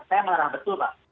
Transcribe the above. saya marah betul pak